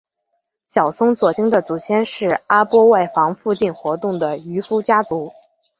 小松左京的祖先是阿波外房附近活动的渔夫家族。